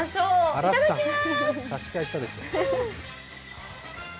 いただきまーす！